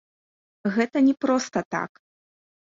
Гэта не проста так.